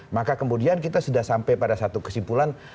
maka kemudian kita sudah sampai pada satu kesimpulan